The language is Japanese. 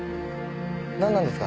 なんなんですか？